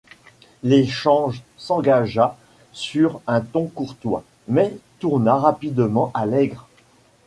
L'échange s'engagea sur un ton courtois, mais tourna rapidement à l'aigre.